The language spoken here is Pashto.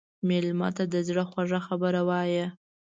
مېلمه ته د زړه خوږه خبره وایه.